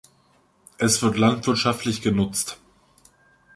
Es wird landwirtschaftlich genutzt.